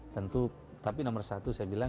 tentu tapi nomor satu saya bilang